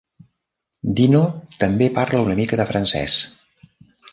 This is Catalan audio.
Dino també parla una mica de francès.